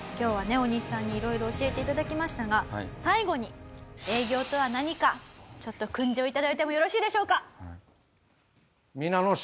オオニシさんに色々教えて頂きましたが最後に「営業とは何か？」ちょっと訓示を頂いてもよろしいでしょうか？